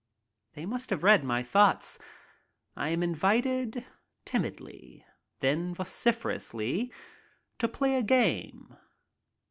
They must have read my thoughts. I am invited timidly, then vociferously, to play a game.